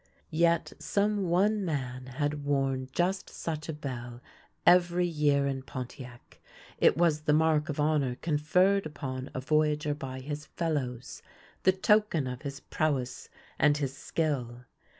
Yet some one man had worn just such a bell every year in Pontiac. It was the mark of honour conferred upon a voyageur by his fellows, the token of his prowess and his skill.